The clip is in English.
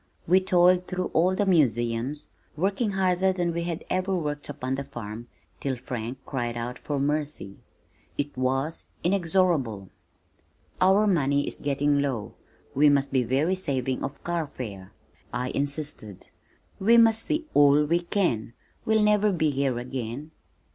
We toiled through all the museums, working harder than we had ever worked upon the farm, till Frank cried out for mercy. I was inexorable. "Our money is getting low. We must be very saving of carfare," I insisted. "We must see all we can. We'll never be here again."